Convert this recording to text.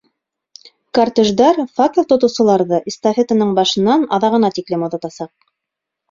Кортеждар факел тотоусыларҙы эстафетаның башынан аҙағына тиклем оҙатасаҡ.